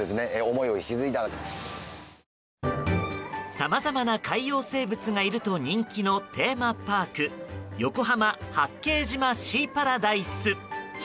さまざまな海洋生物がいると人気のテーマパーク横浜・八景島シーパラダイス。